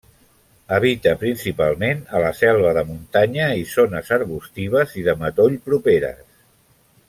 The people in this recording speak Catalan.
Habita principalment a la selva de muntanya i zones arbustives i de matoll properes.